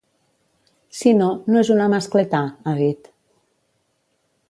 Si no, no és una ‘mascletà’, ha dit.